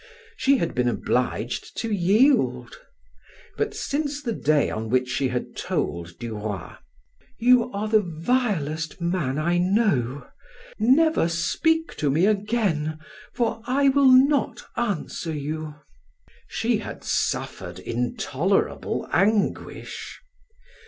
She had been obliged to yield; but since the day on which she had told Du Roy: "You are the vilest man I know; never speak to me again, for I will not answer you," she had suffered intolerable anguish.